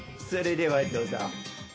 それではどうぞ。